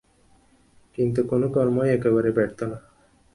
কিন্তু কোন কর্মই একেবারে ব্যর্থ হয় না।